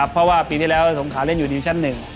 เพราะว่าปีที่แล้วสงขาเล่นอยู่ดิวิชั่น๑